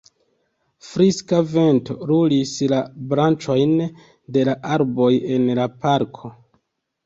Friska vento lulis la branĉojn de la arboj en la parko.